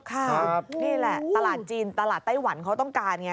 นี่แหละตลาดจีนตลาดไต้หวันเขาต้องการไง